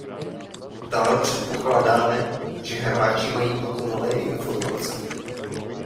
Dále předpokládáme, že hráči mají dokonalé informace